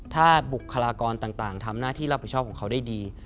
ถ้าบุคลากรต่างทำหน้าที่รับผิดชอบของเขาได้ดี